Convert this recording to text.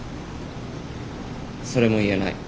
それも言えない。